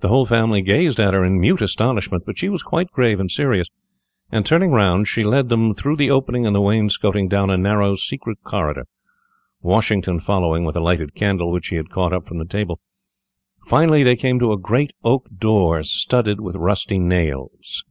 The whole family gazed at her in mute amazement, but she was quite grave and serious; and, turning round, she led them through the opening in the wainscoting down a narrow secret corridor, Washington following with a lighted candle, which he had caught up from the table. Finally, they came to a great oak door, studded with rusty nails.